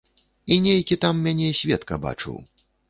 І нейкі там мяне сведка бачыў.